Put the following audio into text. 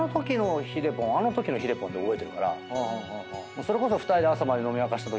それこそ。